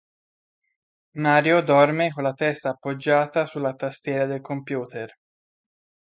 Mario dorme con la testa appoggiata sulla tastiera del computer